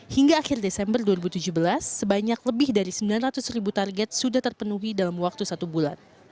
hingga akhir desember dua ribu tujuh belas sebanyak lebih dari sembilan ratus ribu target sudah terpenuhi dalam waktu satu bulan